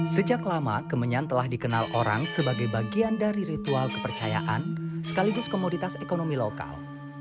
sejak lama kemenyan telah dikenal orang sebagai bagian dari ritual kepercayaan sekaligus komoditas ekonomi lokal